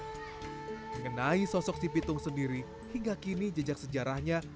mengenai sosok si pitung sendiri hingga kini jejak sejarahnya